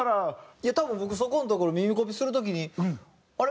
いや多分僕そこのところ耳コピする時にあれ？